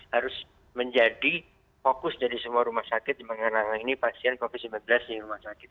harus menjadi fokus dari semua rumah sakit mengenai pasien covid sembilan belas di rumah sakit